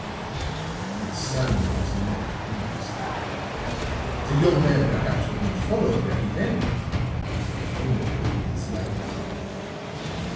But Simon was not pleased; the young man perhaps would not follow where he led; at any rate he disliked him.